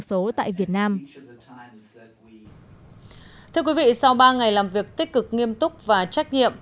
quý vị sau ba ngày làm việc tích cực nghiêm túc và trách nhiệm